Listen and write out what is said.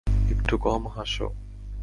একটু কম হাসো।